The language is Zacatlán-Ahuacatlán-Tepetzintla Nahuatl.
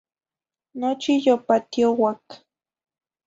Nochi yopatiouac.